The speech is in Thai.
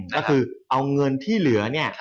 ก็คือเอาเงินที่เหลือเนี่ย